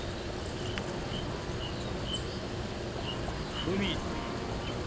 「ふみ」という女だ。